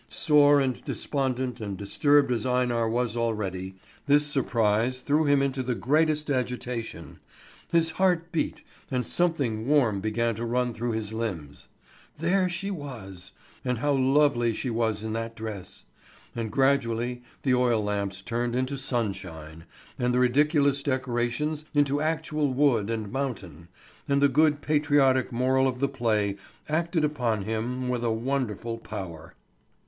Sore and despondent and disturbed as Einar was already, this surprise threw him into the greatest agitation. His heart beat, and something warm began to run through his limbs. There she was! And how lovely she was in that dress! And gradually the oil lamps turned into sunshine, and the ridiculous decorations into actual wood and mountain; and the good patriotic moral of the play acted upon him with a wonderful power.